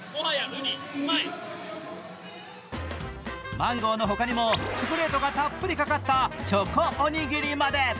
マンゴーのほかにもチョコレートがたっぷりかかったチョコおにぎりまで。